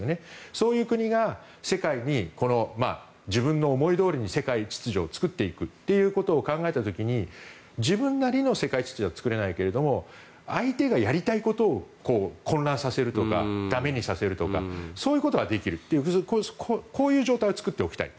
そういう国が世界に自分の思いどおりに世界秩序を作っていくと考えた時に自分なりの世界秩序は作れないけれども相手がやりたいことを混乱させるとか駄目にさせるとかそういうことはできるそういう状態を作っておきたい。